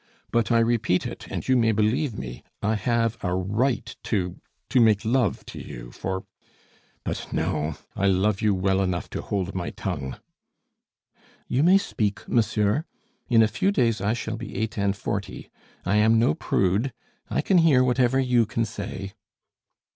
But I repeat it, and you may believe me, I have a right to to make love to you, for But no; I love you well enough to hold my tongue." "You may speak, monsieur. In a few days I shall be eight and forty; I am no prude; I can hear whatever you can say."